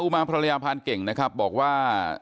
มาภรรยาพานเก่งนะครับบอกว่า